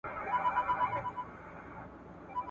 دوه لاسونه پر دوو پښو باندي روان وو `